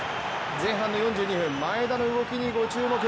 前半の４２分、前田の動きにご注目。